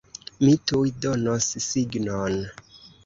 Mi tuj donos signon!